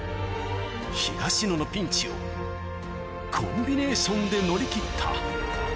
東野のピンチを、コンビネーションで乗り切った。